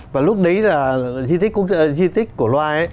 và lúc đấy là di tích cổ loa